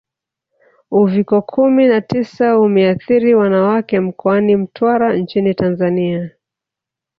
Uviko kumi na tisa umeathiri Wanawake mkoani Mtwara nchini Tanzania